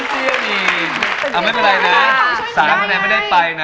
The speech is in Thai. แต่ไม่ได้ถามขนนู้กไข่